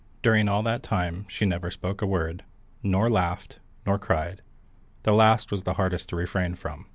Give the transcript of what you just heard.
During all that time, she never spoke a word, nor laughed, nor cried: the last was the hardest to refrain from.